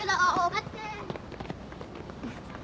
待って。